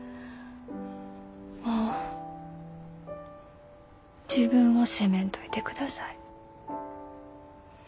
もう自分を責めんといてください。